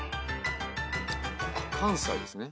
関西ですね。